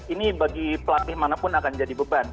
ini bagi pelatih manapun akan jadi beban